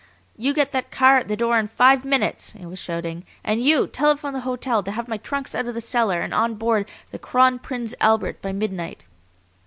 "You get that car at the door in five minutes!" he was shouting, "and YOU telephone the hotel to have my trunks out of the cellar and on board the Kron Prinz Albert by midnight.